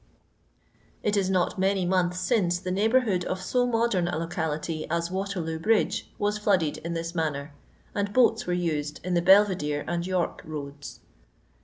It is not many months since the neigh bourhood of 80 modem a locality as Waterloo bridge was flooded in this manner, and boats were used in the Belvidere and Tork roads.